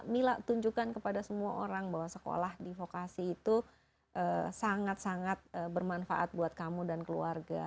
mila tunjukkan kepada semua orang bahwa sekolah di vokasi itu sangat sangat bermanfaat buat kamu dan keluarga